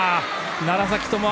楢崎智亜